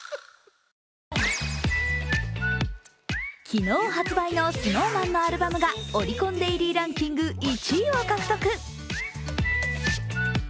昨日発売のＳｎｏｗＭａｎのアルバムがオリコンデイリーランキング１位を獲得。